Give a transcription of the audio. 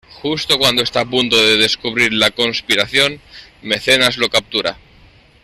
Justo cuando está a punto de descubrir la conspiración, "Mecenas" lo captura.